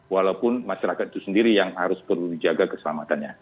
walaupun masyarakat itu sendiri yang harus perlu dijaga keselamatannya